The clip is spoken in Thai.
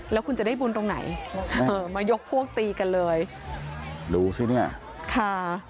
แล้วคุณจะได้บุญตรงไหนเออมายกพวกตีกันเลยดูสิเนี่ยค่ะ